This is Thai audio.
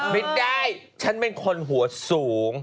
ไม่ได้ฉันเป็นคนหัวสูง